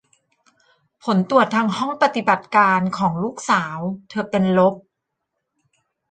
ผลตรวจทางห้องปฏิบัติการของลูกสาวเธอเป็นลบ